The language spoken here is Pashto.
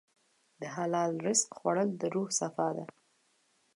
د حلال رزق خوړل د روح صفا ده.